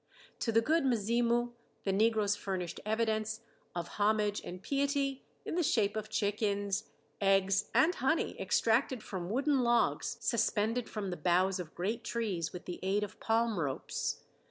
To the "Good Mzimu," the negroes furnished evidence of homage and piety in the shape of chickens, eggs, and honey, extracted from wooden logs suspended from the boughs of great trees with the aid of palm ropes.